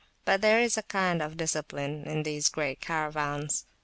But there is a kind of discipline in these great Caravans.